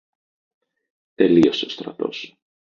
τελείωσε ο στρατός